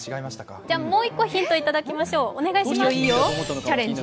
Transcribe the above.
じゃあ、もう１個ヒントをいただきましょう。